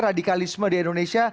radikalisme di indonesia